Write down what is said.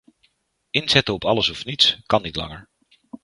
Inzetten op alles of niets kan niet langer.